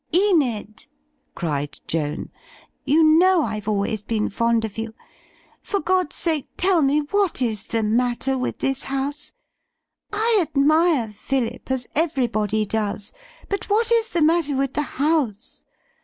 "Enid," cried Joan, "you know I've always been fond of you. For God's sake tell me what is the matter with this house ? I admire Phillip as everybody does. But what is the matter with the house?